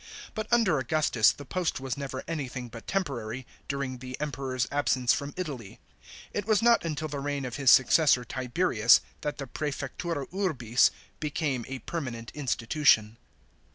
But, under Augustus, the post was never anything but temporary, during the Emperor's absence from Italy. It was not until the reign of his successor Tiberius that the prssfectura urbis became a permanent institution.